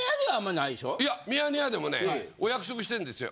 いや『ミヤネ屋』でもねお約束してんですよ。